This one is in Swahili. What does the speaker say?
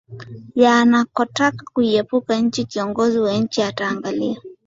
ya anakotaka kuipeleka nchi Kiongozi wa nchi ataangalia